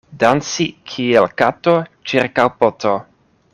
Danci kiel kato ĉirkaŭ poto.